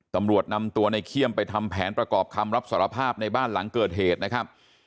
ตำรวจนำตัวในเขี้ยมไปทำแผนประกอบคำรับสารภาพในบ้านหลังเกิดเหตุนะครับ